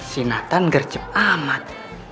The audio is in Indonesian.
si natan gercep amat